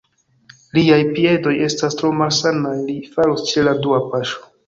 Liaj piedoj estas tro malsanaj: li falus ĉe la dua paŝo.